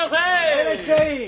いらっしゃい！